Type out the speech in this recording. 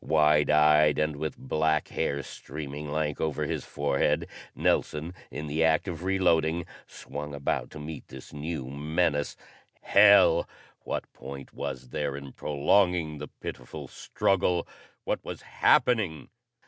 Wide eyed, and with black hair streaming lank over his forehead, Nelson, in the act of reloading, swung about to meet this new menace. Hell! What point was there in prolonging the pitiful struggle? What was happening?